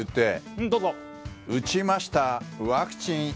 「打ちましたワクチン？